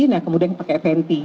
nah kemudian pakai venti